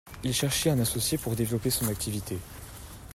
Il cherchait un associé pour développer son activité.